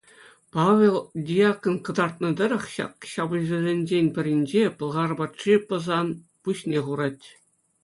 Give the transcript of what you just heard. Павел Диакон кӑтартнӑ тӑрӑх ҫак ҫапӑҫусенчен пӗринче пӑлхар патши Пӑсан пуҫне хурать.